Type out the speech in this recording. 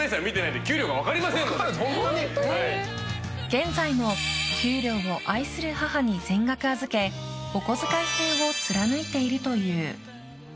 現在も給料を愛する母に全額預けお小遣い制を貫いているという。